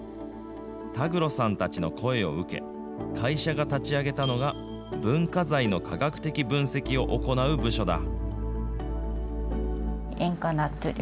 田畔さんたちの声を受け、会社が立ち上げたのが文化財の科学的分析を行う部署だ。